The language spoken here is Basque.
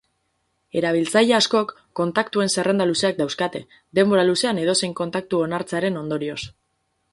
Erabiltzaile askok kontaktuen zerrenda luzeak dauzkate, denbora luzean edozein kontaktu onartzearen ondorioz.